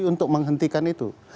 untuk menghentikan itu